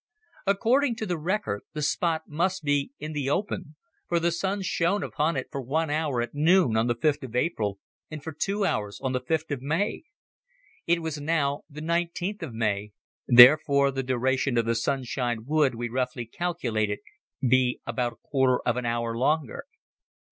According to the record the spot must be in the open, for the sun shone upon it for one hour at noon on the fifth of April and for two hours on the fifth of May. It was now the nineteenth of May, therefore the duration of the sunshine would, we roughly calculated, be about a quarter of an hour longer.